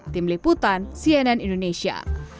tim liputan cnn indonesia